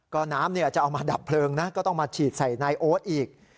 ก็น้ำจะเอามาดับเพลิงนะก็ต้องมาฉีดใส่นายโอ๊ตอีก